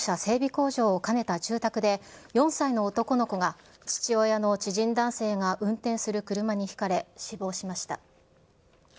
工場を兼ねた住宅で、４歳の男の子が、父親の知人男性が運転する車にひかれ、死亡しました。